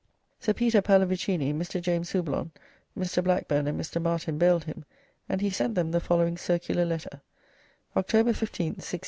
Sir Peter Palavicini, Mr. James Houblon, Mr. Blackburne, and Mr. Martin bailed him, and he sent them the following circular letter: "October 15, 1690.